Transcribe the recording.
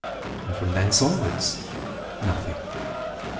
And from thence, onwards, nothing.